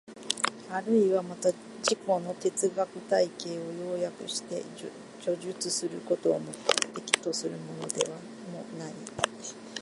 あるいはまた自己の哲学体系を要約して叙述することを目的とするものでもない。